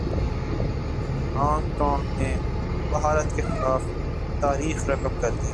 Hong Kong نے بھارت کے خلاف تاریخ رقم کردی